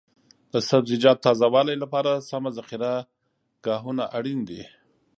د سبزیجاتو تازه والي لپاره سمه ذخیره ګاهونه اړین دي.